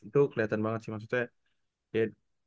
itu keliatan banget sih maksudnya